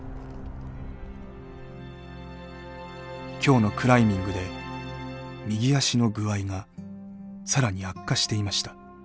今日のクライミングで右足の具合が更に悪化していました。